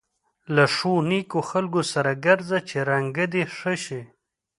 له ښو نېکو خلکو سره ګرځه چې رنګه دې ښه شي.